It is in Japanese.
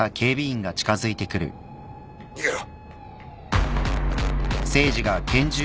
・逃げろ！